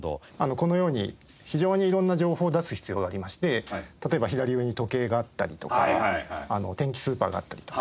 このように非常に色んな情報を出す必要がありまして例えば左上に時計があったりとか天気スーパーがあったりとか。